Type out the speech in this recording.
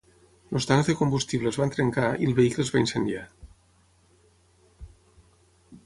Els tancs de combustible es van trencar i el vehicle es va incendiar.